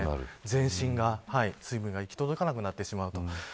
全身に水分がいき届かなくなってしまうと。